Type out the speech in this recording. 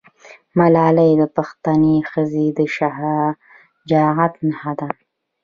ملالۍ د پښتنې ښځې د شجاعت نښه ده.